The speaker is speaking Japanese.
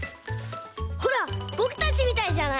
ほらぼくたちみたいじゃない？